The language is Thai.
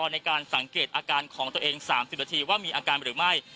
ในการสังเกตอาการของตัวเอง๓๐นาทีว่ามีอาการหรือไม่